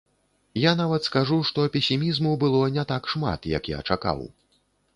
Я нават скажу, што песімізму было не так шмат, як я чакаў.